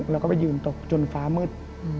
แล้วก็ไปยืนตกจนฟ้ามืด